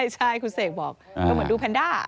ใช่คุณเสกบอกก็เหมือนดูแพนด้า